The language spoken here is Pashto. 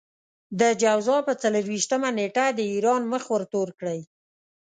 د جوزا پر څلور وېشتمه نېټه د ايران مخ ورتور کړئ.